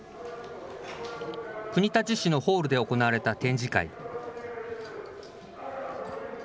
国立市のホールで行われた展示会。